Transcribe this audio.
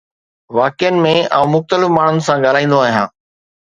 واقعن ۾ آئون مختلف ماڻهن سان ڳالهائيندو آهيان